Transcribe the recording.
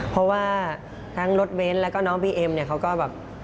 เพราะว่าทั้งรถเบนท์แล้วก็น้องบีเอ็มเนี่ยเขาก็แบบ